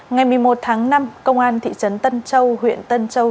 ngày một mươi một tháng năm công an thị trấn tân châu